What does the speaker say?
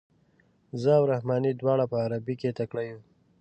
زه او رحماني دواړه په عربي کې تکړه یو.